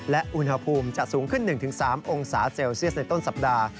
และอุณหภูมิจะสูงขึ้น๑๓องศาเซลเซียสในต้นสัปดาห์